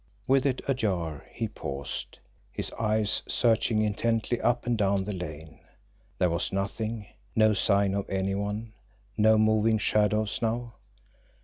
With it ajar, he paused, his eyes searching intently up and down the lane. There was nothing, no sign of any one, no moving shadows now.